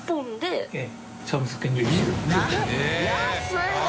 安いな！